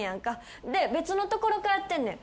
で別のところ通ってんねん。